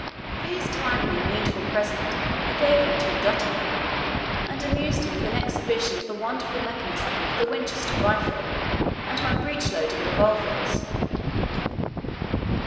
For his timely and needful present I gave him two doti, and amused him with an exhibition of the wonderful mechanism of the Winchester rifle, and my breechloading revolvers.